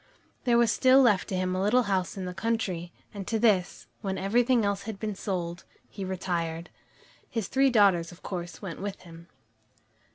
There was still left to him a little house in the country, and to this, when everything else had been sold, he retired. His three daughters, of course, went with him.